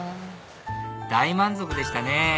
大満足でしたね！